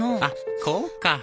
あっこうか！